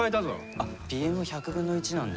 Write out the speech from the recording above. あっ鼻炎は１００分の１なんだ。